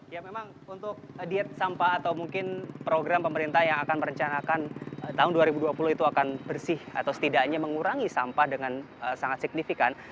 ya memang untuk diet sampah atau mungkin program pemerintah yang akan merencanakan tahun dua ribu dua puluh itu akan bersih atau setidaknya mengurangi sampah dengan sangat signifikan